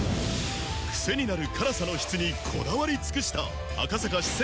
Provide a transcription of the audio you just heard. クセになる辛さの質にこだわり尽くした赤坂四川